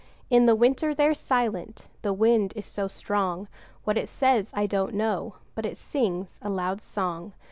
In the winter they're silent the wind is so strong; What it says, I don't know, but it sings a loud song.